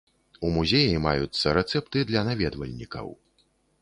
У музеі маюцца рэцэпты для наведвальнікаў.